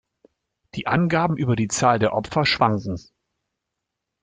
Die Angaben über die Zahl der Opfer schwanken.